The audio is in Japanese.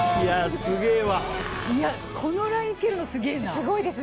このラインいけるのすげえな。